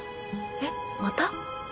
えっまた？